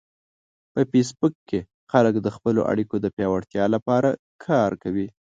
په فېسبوک کې خلک د خپلو اړیکو د پیاوړتیا لپاره کار کوي